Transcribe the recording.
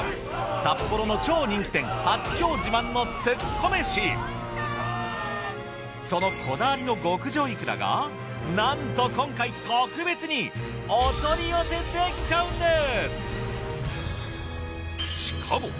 札幌の超人気店そのこだわりの極上いくらがなんと今回特別にお取り寄せできちゃうんです！